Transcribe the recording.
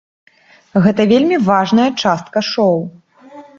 Гэта вельмі важная частка шоу.